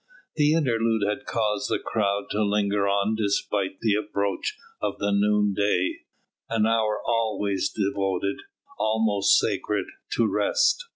The interlude had caused the crowd to linger on despite the approach of noonday, an hour always devoted, almost sacred, to rest.